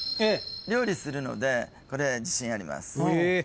料理するのでこれ自信あります。